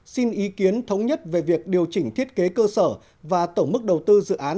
xin ý kiến thống nhất về việc điều chỉnh thiết kế cơ sở và tổng mức đầu tư dự án